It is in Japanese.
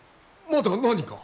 まだ何か？